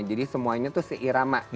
jadi semuanya tuh seirama